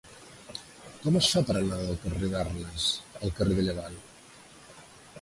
Com es fa per anar del carrer d'Arnes al carrer de Llevant?